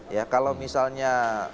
ya kalau misalnya